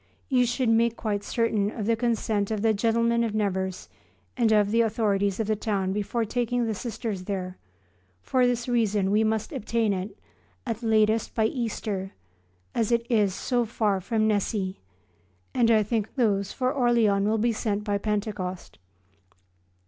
You should make quite certain of the consent of the gentlemen of Nevers and of the authorities of the town before taking the Sisters there; for this reason we must obtain it, at latest, by Easter, as it is so far from Nessy, and I think those for Orleans will be sent by Pentecost.